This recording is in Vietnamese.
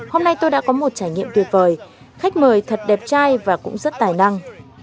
hôm nay tôi đã có một trải nghiệm tuyệt vời khách mời thật đẹp trai và cũng rất tài năng